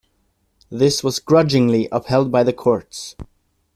This was grudgingly upheld by the courts.